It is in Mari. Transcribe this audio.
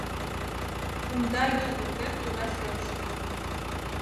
Кумда Юл воктен тура серыште